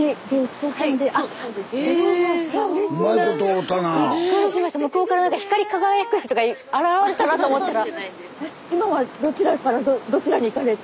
スタジオ向こうから何か光り輝く人が現れたなと思ったら。